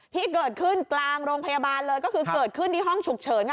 ที่เกิดขึ้นกลางโรงพยาบาลเลยก็คือเกิดขึ้นที่ห้องฉุกเฉิน